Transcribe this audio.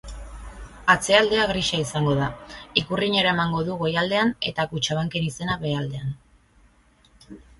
Atzealdea grisa izango da, ikurriña eramango du goialdean eta kutxabanken izena behealdean.